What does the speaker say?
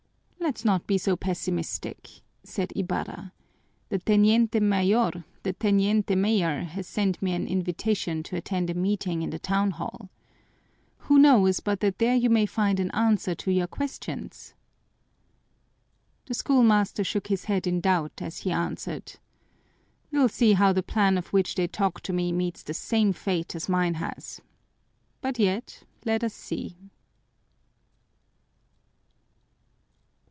"Let's not be so pessimistic," said Ibarra. "The teniente mayor has sent me an invitation to attend a meeting in the town hall. Who knows but that there you may find an answer to your questions?" The schoolmaster shook his head in doubt as he answered: "You'll see how the plan of which they talked to me meets the same fate as mine has. But yet, let us see!"